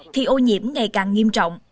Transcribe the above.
thì ô nhiễm ngày càng nghiêm trọng